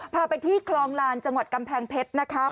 พาไปที่คลองลานจังหวัดกำแพงเพชรนะครับ